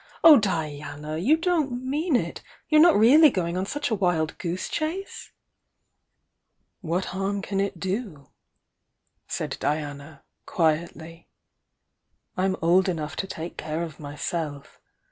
Oh, Diana! You don't mean it! You're not really going on such a wild goose chase?" "What harm can it do?" said Diana, quietly. "I'm old enough to take care of myself.